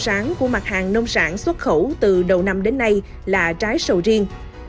sáng của mặt hàng nông sản xuất khẩu từ đầu năm đến nay là trái sầu riêng